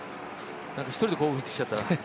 １人で興奮してきちゃったな。